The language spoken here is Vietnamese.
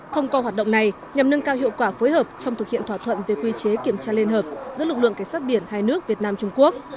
thông qua hoạt động này nhằm nâng cao hiệu quả phối hợp trong thực hiện thỏa thuận về quy chế kiểm tra liên hợp giữa lực lượng cảnh sát biển hai nước việt nam trung quốc